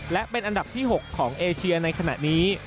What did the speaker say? และเป็นอันดับที่๖ของเอเชียในขณะนี้